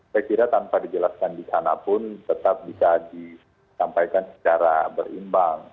saya kira tanpa dijelaskan di sana pun tetap bisa disampaikan secara berimbang